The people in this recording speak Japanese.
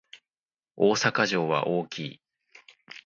大阪城は大きい